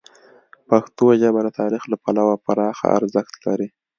پښتو ژبه د تاریخ له پلوه پراخه ارزښت لري.